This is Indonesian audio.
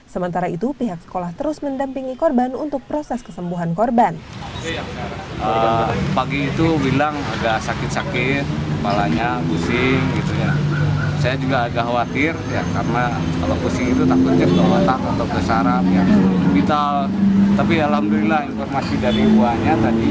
sementara itu pihak sekolah terus mendampingi korban untuk proses kesembuhan korban